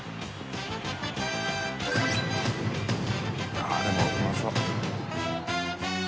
あっでもうまそう。